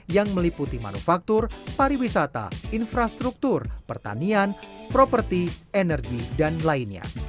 yang meliputi manufaktur pariwisata infrastruktur pertanian properti energi dan lainnya